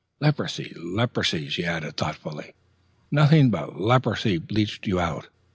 "Leprosy, leprosy," she added thoughtfully, "nothing but leprosy bleached you out."